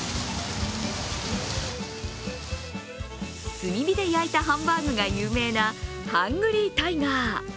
炭火で焼いたハンバーグが有名な、ハングリータイガー。